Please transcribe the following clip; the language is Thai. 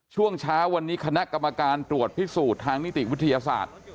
ช่วงเช้าวันนี้คณะกรรมการตรวจพิสูจน์ทางนิติวิทยาศาสตร์